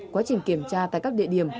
quá trình kiểm tra tại các địa điểm